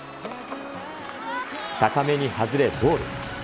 高めに外れボール。